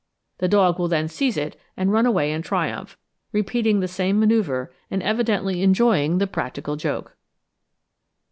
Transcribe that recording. The dog will then seize it and rush away in triumph, repeating the same manoeuvre, and evidently enjoying the practical joke.